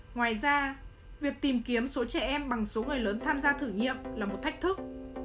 ngoài ra việc tìm kiếm số trẻ em bằng số người lớn tham gia thử nghiệm là một thách thức